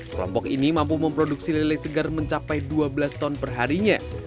kelompok ini mampu memproduksi lele segar mencapai dua belas ton perharinya